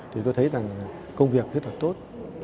thì tôi thấy rằng công việc rất là tốt